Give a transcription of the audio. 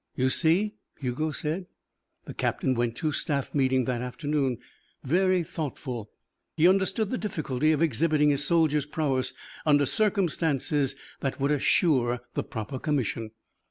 "You see?" Hugo said. The captain went to staff meeting that afternoon very thoughtful. He understood the difficulty of exhibiting his soldier's prowess under circumstances that would assure the proper commission.